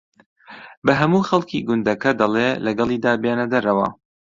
بە ھەموو خەڵکی گوندەکە دەڵێ لەگەڵیدا بێنە دەرەوە